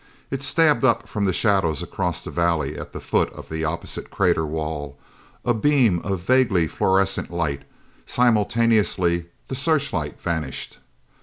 It stabbed up from the shadows across the valley at the foot of the opposite crater wall, a beam of vaguely fluorescent light. Simultaneously the searchlight vanished.